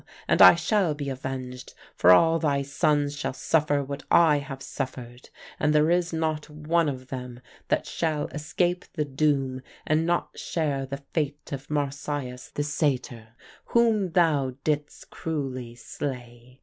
And I shall be avenged; for all thy sons shall suffer what I have suffered; and there is not one of them that shall escape the doom and not share the fate of Marsyas the Satyr, whom thou didst cruelly slay.